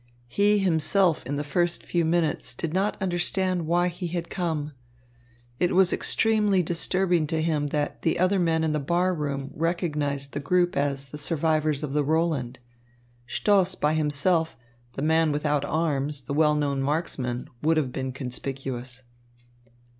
He himself in the first few minutes did not understand why he had come. It was extremely disturbing to him that the other men in the bar room recognised the group as the survivors of the Roland. Stoss by himself, the man without arms, the well known marksman, would have been conspicuous.